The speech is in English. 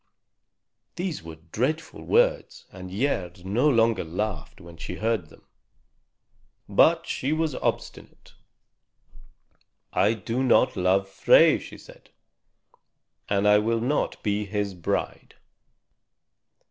These were dreadful words, and Gerd no longer laughed when she heard them. But she was obstinate. "I do not love Frey," she said, "and I will not be his bride."